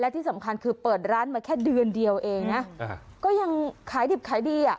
ที่สำคัญคือเปิดร้านมาแค่เดือนเดียวเองนะก็ยังขายดิบขายดีอ่ะ